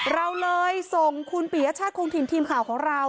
เราเลยส่งคุณปียชาติคงถิ่นทีมข่าวของเรา